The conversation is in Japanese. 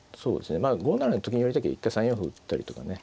まあ５七にと金寄りたきゃ一回３四歩打ったりとかね。